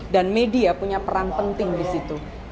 dan media punya peran penting di situ